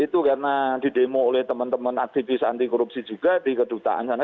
itu karena didemo oleh teman teman aktivis anti korupsi juga di kedutaan sana